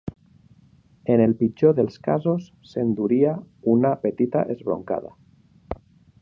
En el pitjor dels casos s'enduria una petita esbroncada.